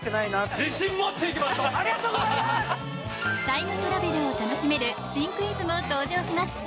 タイムトラベルを楽しめる新クイズも登場します。